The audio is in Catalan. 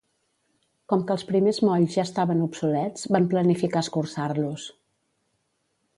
Com que els primers molls ja estaven obsolets, van planificar escurçar-los.